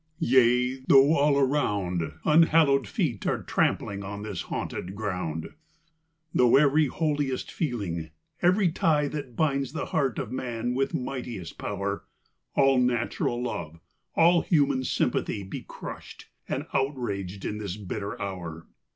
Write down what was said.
Yea, though all around Unhallowed feet are trampling on this haunted ground, XXV. Though every holiest feeling, every tie That binds the heart of man with mightiest power, All natural love, all human sympathy Be crusht, and outraged in this bitter hour.